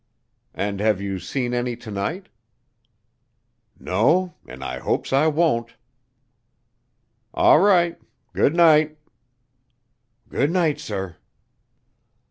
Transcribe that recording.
"And have you seen any to night?" "No, an' I hopes I won't." "All right. Good night." "Good night, sir."